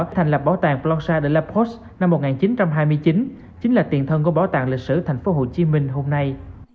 thành lập bảo tàng floncha de la poste năm một nghìn chín trăm hai mươi chín chính là tiền thân của bảo tàng lịch sử tp hcm hôm nay